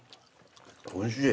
おいしい。